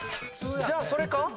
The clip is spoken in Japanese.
じゃあそれか？